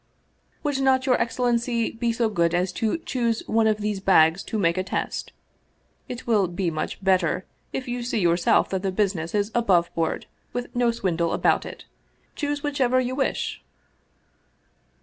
" Would not your excellency be so good as to choose one of these bags to make a test? It will be much bet ter if you see yourself that the business is above board, with no swindle about it. Choose whichever you wish